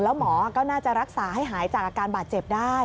แล้วหมอก็น่าจะรักษาให้หายจากอาการบาดเจ็บได้